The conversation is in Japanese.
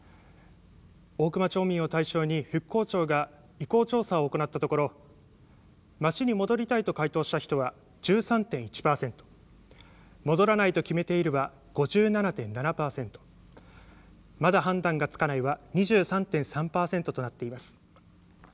大熊町民を対象に復興庁が意向調査を行ったところ町に「戻りたい」と回答した人は１３．１％「戻らないと決めている」は５７．７％「まだ判断がつかない」は２３．３％となっています。